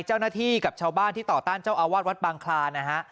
เจ้าหน้าที่กับชาวบ้านที่ต่อต้านเจ้าอาวาสวัดบางคลานะฮะ